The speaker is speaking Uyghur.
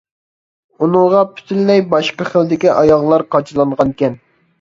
ئۇنىڭغا پۈتۈنلەي باشقا خىلدىكى ئاياغلار قاچىلانغانىكەن.